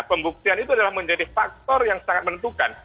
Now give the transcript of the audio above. pembuktian itu adalah menjadi faktor yang sangat menentukan